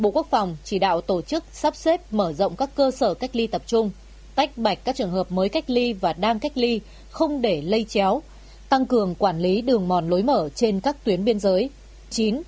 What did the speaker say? bộ quốc phòng chỉ đạo tổ chức sắp xếp mở rộng các cơ sở cách ly tập trung tách bạch các trường hợp mới cách ly và đang cách ly không để lây chéo tăng cường quản lý đường mòn lối mở trên các tuyến biên giới